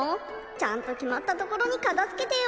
ちゃんときまったところにかたづけてよ。